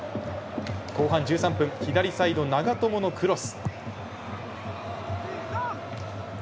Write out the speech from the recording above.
後半１３分左サイド長友のクロス。